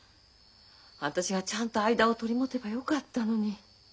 私がちゃんと間を取り持てばよかったのに。